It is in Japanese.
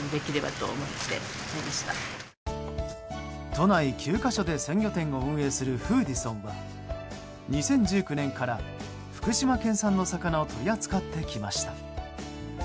都内９か所で鮮魚店を運営するフーディソンは２０１９年から福島産の魚を取り扱ってきました。